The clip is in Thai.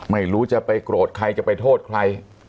ไม่รู้จะไปโกรธใครจะไปโทษใคร